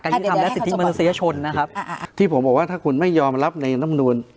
การยืดอำและสิทธิเมืองเศรษฐชนนะครับอ่าอ่าที่ผมบอกว่าถ้าคุณไม่ยอมรับในน้ำนูน